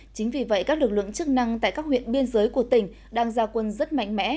chính vì vậy các lực lượng chức năng tại các huyện biên giới của tỉnh đang gia quân rất mạnh mẽ